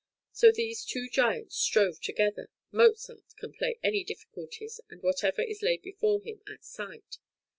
So these two giants strove together. Mozart can play any difficulties, and whatever is laid before him at sight.